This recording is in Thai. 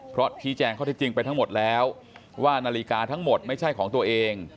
เพราะชี้แจงข้อที่จริงไปทั้งหมดแล้วว่านาฬิกาทั้งหมดไม่ใช่ของตัวเอง